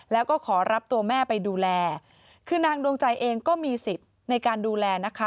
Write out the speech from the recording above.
แล้วก็ขอรับตัวแม่ไปดูแลคือนางดวงใจเองก็มีสิทธิ์ในการดูแลนะคะ